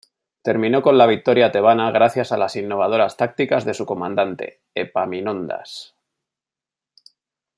Terminó con la victoria tebana gracias a las innovadoras tácticas de su comandante, Epaminondas.